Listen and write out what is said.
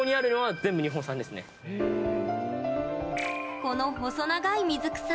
この細長い水草